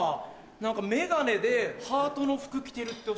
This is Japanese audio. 何か眼鏡でハートの服着てるって。